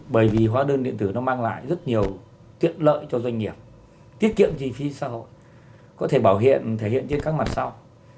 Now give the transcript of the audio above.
bởi vì hóa đơn điện tử nó mang lại rất nhiều tiện lợi cho doanh nghiệp tiết kiệm chi phí xã hội có thể bảo hiện thể hiện trên các mặt sau